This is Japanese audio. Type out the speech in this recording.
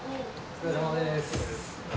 お疲れさまです。